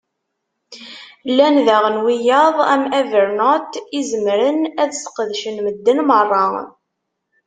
Llan daɣen wiyaḍ, am Evernote i zemren ad sqedcen medden meṛṛa.